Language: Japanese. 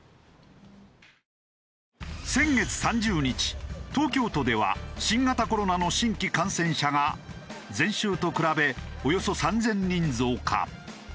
先月３０日東京都では新型コロナの新規感染者が前週と比べおよそ３０００人増加。